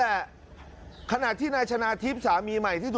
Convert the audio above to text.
เออพี่เล่าบ้าง